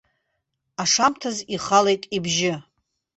Ашамҭазы ихалеит ибжьы.